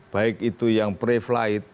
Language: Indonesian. baik itu yang pre flight